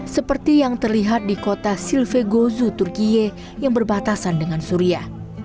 seperti yang terlihat di kota silvegozu turkiye yang berbatasan dengan suriah